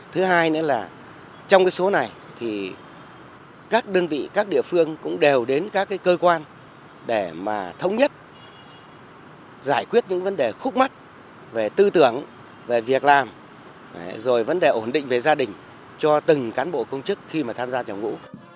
thứ hai nữa là trong cái số này thì các đơn vị các địa phương cũng đều đến các cơ quan để mà thống nhất giải quyết những vấn đề khúc mắt về tư tưởng về việc làm rồi vấn đề ổn định về gia đình cho từng cán bộ công chức khi mà tham gia chống ngũ